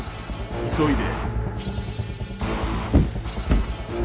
急いで！